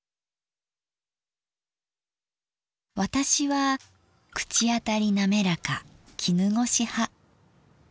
私は口当たり滑らか絹ごし派。